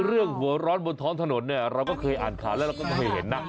เรื่องหัวร้อนบนท้องถนนเราก็เคยอ่านค่ะแล้วเราก็ไม่เห็นน่ะ